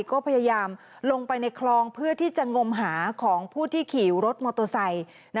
ก็พยายามลงไปในคลองเพื่อที่จะงมหาของผู้ที่ขี่รถมอเตอร์ไซค์